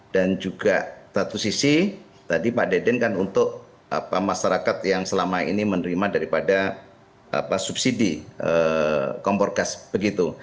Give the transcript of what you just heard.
dan juga satu sisi tadi pak dadan kan untuk masyarakat yang selama ini menerima daripada subsidi kompor gas begitu